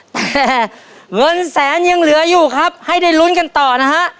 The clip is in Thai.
แต่เงินแสนยังเหลืออยู่ครับให้ได้ลุ้นกันต่อนะฮะ